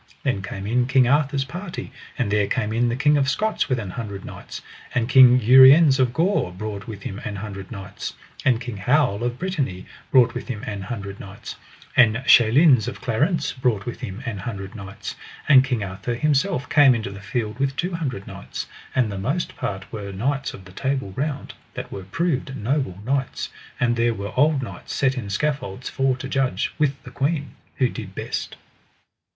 Then came in King Arthur's party; and there came in the King of Scots with an hundred knights, and King Uriens of Gore brought with him an hundred knights, and King Howel of Brittany brought with him an hundred knights, and Chaleins of Clarance brought with him an hundred knights, and King Arthur himself came into the field with two hundred knights, and the most part were knights of the Table Round, that were proved noble knights; and there were old knights set in scaffolds for to judge, with the queen, who did best.